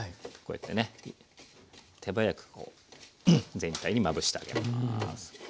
こうやってね手早くこう全体にまぶしてあげます。